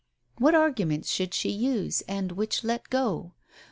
What arguments should she use, and which let go?